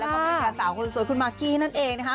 แล้วก็คุณผู้ชมค่ะสาวคนสวยคุณมากกี้นั่นเองนะคะ